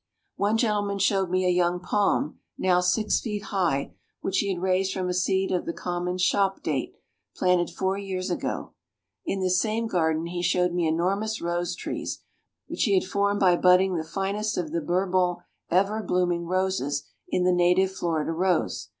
One gentleman showed me a young palm, now six feet high, which he had raised from a seed of the common shop date, planted four years ago. In this same garden he showed me enormous rose trees, which he had formed by budding the finest of the Bourbon ever blooming roses in the native Florida rose.